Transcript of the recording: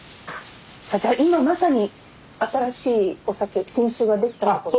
じゃあ今まさに新しいお酒新酒が出来たところ？